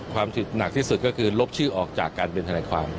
ความผิดหนักที่สุดก็คือลบชื่อออกจากการเป็นทนายความ